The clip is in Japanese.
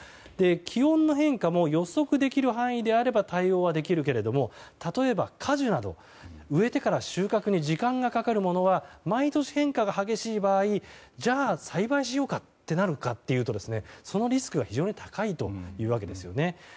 気温の変化も予測できる範囲であれば対応はできるけれども例えば、果樹など植えてから収穫に時間がかかるものは毎年変化が激しい場合じゃあ栽培しようかとなるかというとそのリスクが非常に高いというわけですよね。